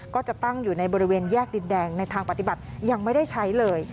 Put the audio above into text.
ก็จะตั้งอยู่ในบริเวณแยกดินแดงในทางปฏิบัติยังไม่ได้ใช้เลย